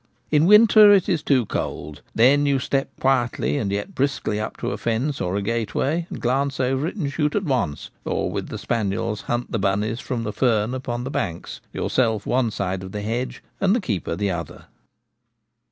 In winter it is too cold ; then you step quietly and yet briskly up to a fence or a gateway, and glance over, and shoot at once ; or with the spaniels hunt the bunnies from the fern upon the banks, yourself one side of the hedge and the keeper the other.